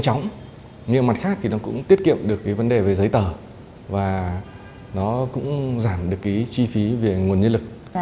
cơ chế này cũng tiết kiệm được vấn đề về giấy tờ và nó cũng giảm được chi phí về nguồn nhân lực